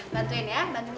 bantuin ya bantuin